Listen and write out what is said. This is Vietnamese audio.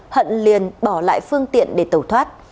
hận liền bỏ lại phương tiện để tẩu thoát